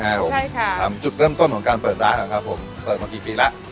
ใช่ค่ะถามจุดเริ่มต้นของการเปิดร้านนะครับผมเปิดมากี่ปีแล้ว